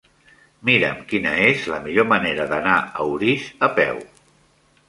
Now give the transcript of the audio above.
Mira'm quina és la millor manera d'anar a Orís a peu.